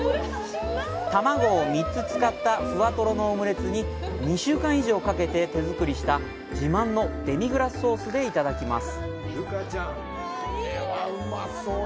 卵を３つ使ったふわとろのオムレツに、２週間以上かけて手作りした自慢のデミグラスソースでいただきます。